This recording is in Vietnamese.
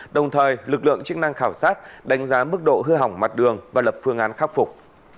đồng thời lực lượng chức năng khảo sát đánh giá mức độ hư hỏng mặt đường và lập phương án khắc phục